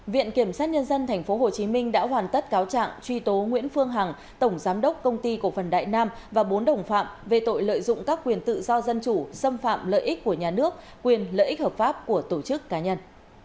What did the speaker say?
viện kiểm sát nhân dân tp hcm đã hoàn tất cáo trạng truy tố nguyễn phương hằng tổng giám đốc công ty cổ phần đại nam và bốn đồng phạm về tội lợi dụng các quyền tự do dân chủ xâm phạm lợi ích của nhà nước quyền lợi ích hợp pháp của tổ chức cá nhân